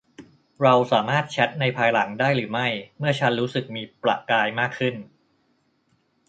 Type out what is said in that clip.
เราสามารถแชทในภายหลังได้หรือไม่เมื่อฉันรู้สึกมีประกายมากขึ้น ?